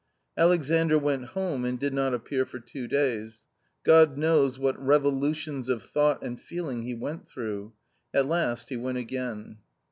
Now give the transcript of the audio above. Alexandr went home and did not appear for two days. God knows what revolutions of thought and feeling he went through ; at last he went again.